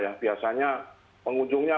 yang biasanya pengunjungnya